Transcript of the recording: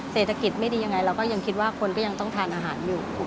เศรษฐกิจไม่ดียังไงเราก็ยังคิดว่าคนก็ยังต้องทานอาหารอยู่